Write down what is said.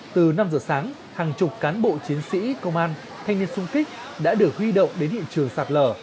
từ năm giờ sáng hàng chục cán bộ chiến sĩ công an thanh niên sung kích đã được huy động đến hiện trường sạt lở